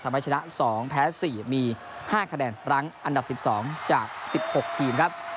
ชนะ๒แพ้๔มี๕คะแนนรั้งอันดับ๑๒จาก๑๖ทีมครับ